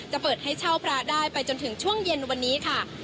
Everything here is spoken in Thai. เปิดให้เช่าพระได้ไปจนถึงช่วงเย็นวันนี้ค่ะ